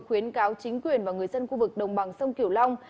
khuyến cáo chính quyền và người dân khu vực đồng bằng sông kiểu long